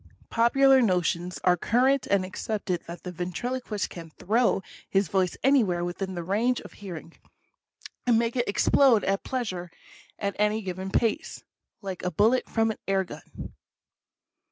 Popular notions are current and accepted that the ventriloquist can throw his voice anywhere within the range of hearing, and make it explode at pleas are at any given place, like a bullet from an air gun.